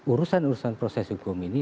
urusan urusan proses hukum ini